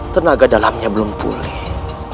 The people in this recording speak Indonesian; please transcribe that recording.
tenaga dalamnya belum pulih